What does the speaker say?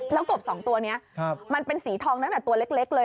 แล้วกบ๒ตัวนี้มันเป็นสีทองตั้งแต่ตัวเล็กเลย